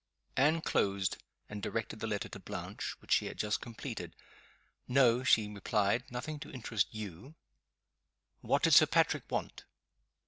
Anne closed and directed the letter to Blanche, which she had just completed. "No," she replied. "Nothing to interest you." "What did Sir Patrick want?"